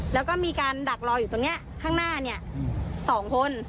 แล้วก็มีการดักรออยู่ตรงนี้ข้างหน้า๒คน